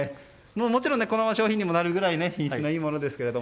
もちろんこのまま商品になるぐらい品質のいいものなんですけど